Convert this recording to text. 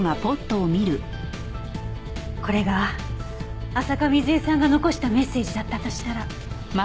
これが浅香水絵さんが残したメッセージだったとしたら。